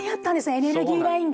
エネルギーラインが。